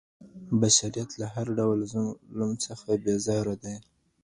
بشریت له هر ډول ظلم څخه بیزاره دی.